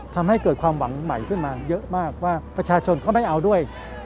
ทำให้เกิดความหวังใหม่ขึ้นมาเยอะมากว่าประชาชนเขาไม่เอาด้วย